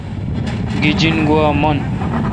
گیجن گوا من۔